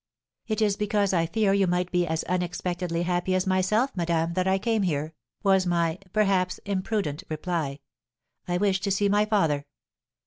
"'It is because I fear you might be as unexpectedly happy as myself, madame, that I came here,' was my (perhaps imprudent) reply. 'I wish to see my father.'